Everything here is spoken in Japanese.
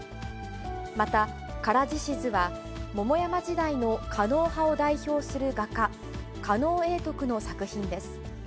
また、唐獅子図は、桃山時代の狩野派を代表する画家、狩野永徳の作品です。